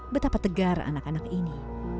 betapa tegar anak anak ini